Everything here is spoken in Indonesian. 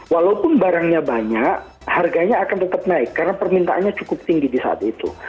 walaupun barangnya banyak harganya akan tetap naik karena permintaannya cukup tinggi di saat itu